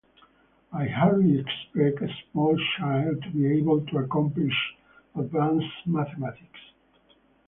I hardly expect a small child to be able to accomplish advanced mathematics.